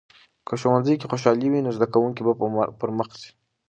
که ښوونځي کې خوشالي وي، نو زده کوونکي به پرمخ ځي.